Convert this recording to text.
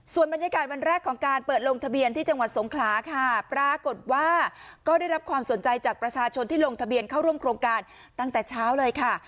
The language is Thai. ส่วนบรรยากาศวันแรกของการเปิดลงทะเบียนที่จังหวัดสงขลาค่ะปรากฏว่าก็ได้รับความสนใจจากประชาชนที่ลงทะเบียนเข้าร่วมโครงการตั้งแต่เช้าเลยค่ะ